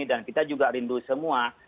dan kita juga rindu semua